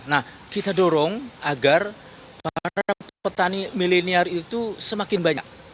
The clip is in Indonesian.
nah kita dorong agar para petani milenial itu semakin banyak